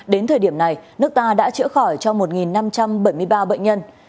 đến thời điểm này nước ta đã chữa khỏi cho một năm trăm bảy mươi ba bệnh nhân